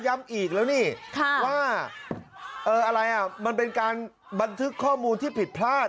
อีกแล้วนี่ว่าอะไรอ่ะมันเป็นการบันทึกข้อมูลที่ผิดพลาด